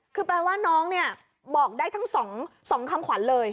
คือแปลว่าน้องเนี่ยบอกได้ทั้ง๒คำขวัญเลย